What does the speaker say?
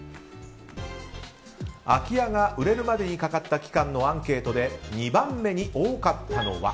空き家が売れるまでにかかった期間のアンケートで２番目に多かったのは。